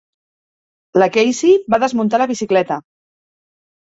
La Cassie va desmuntar la bicicleta.